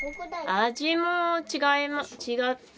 味も違って。